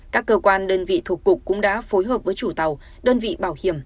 các cơ quan đơn vị thuộc cục cũng đã phối hợp với chủ tàu đơn vị bảo hiểm